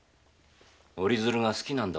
折り鶴が好きなんだ